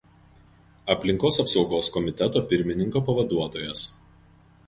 Aplinkos apsaugos komiteto pirmininko pavaduotojas.